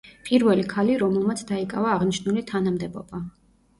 პირველი ქალი, რომელმაც დაიკავა აღნიშნული თანამდებობა.